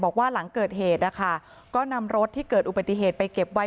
บอกว่าหลังเกิดเหตุนะคะก็นำรถที่เกิดอุบัติเหตุไปเก็บไว้